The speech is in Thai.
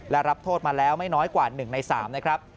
และรับโทษมาแล้วไม่น้อยกว่า๑ใน๓นะครับ